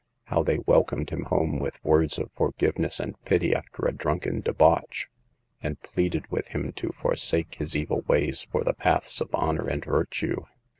How they welcomed him home with words of forgiveness and pity after a drunken debauch, and pleaded with him to forsake his evil ways for the paths of honor and virtue